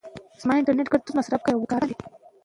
استاد نجيب منلی پر لوست ټینګار کوي.